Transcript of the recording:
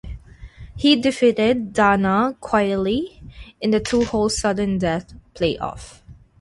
He defeated Dana Quigley in a two-hole sudden-death playoff.